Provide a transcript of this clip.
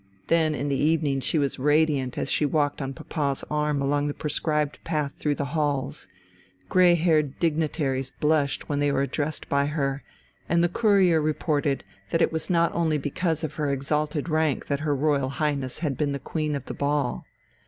Then in the evening she was radiant as she walked on papa's arm along the prescribed path through the halls grey haired dignitaries blushed when they were addressed by her, and the Courier reported that it was not only because of her exalted rank that her Royal Highness had been the queen of the ball.